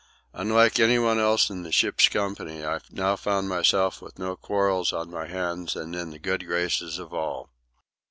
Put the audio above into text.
Unlike any one else in the ship's company, I now found myself with no quarrels on my hands and in the good graces of all.